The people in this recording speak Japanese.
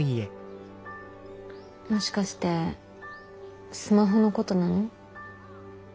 もしかしてスマホのことなの？